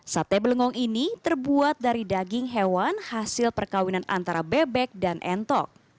sate belengong ini terbuat dari daging hewan hasil perkawinan antara bebek dan entok